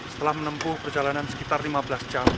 setelah menempuh perjalanan sekitar lima belas jam